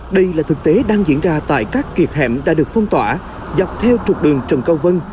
đây là thực tế đang diễn ra tại các kiệt hẻm đã được phong tỏa dọc theo trục đường trần câu vân